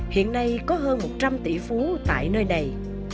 hiện nay có hơn một trăm linh tỷ phú tại nơi này